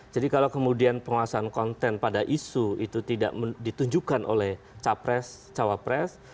jadi kalau kemudian penguasaan konten pada isu itu tidak ditunjukkan oleh capres cawapres